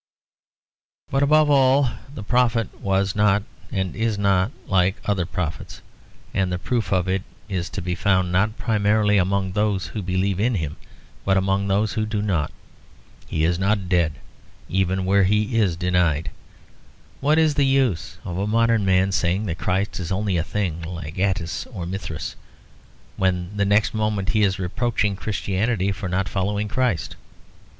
But above all the prophet was not and is not like other prophets; and the proof of it is to be found not primarily among those who believe in him, but among those who do not. He is not dead, even where he is denied. What is the use of a modern man saying that Christ is only a thing like Atys or Mithras, when the next moment he is reproaching Christianity for not following Christ?